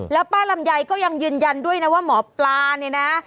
แล้วป้าลำไยก็ยังยืนยันด้วยนะว่าหมอปลาเนี่ยนะ